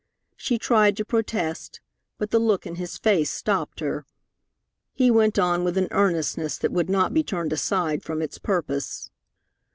She tried to protest, but the look in his face stopped her. He went on with an earnestness that would not be turned aside from its purpose.